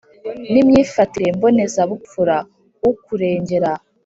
n imyifatire mbonezabupfura ukurengera